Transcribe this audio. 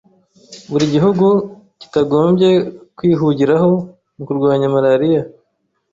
buri gihugu kitagombye kwihugiraho mu kurwanya Malariya